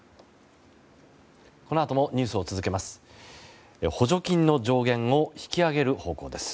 このあともニュースを続けます。